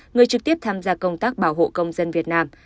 người trực tiếp tham gia công tác bảo hộ công dân việt nam